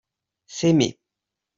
s'aimer.